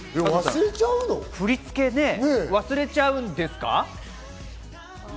振り付け、忘れちゃうんですか？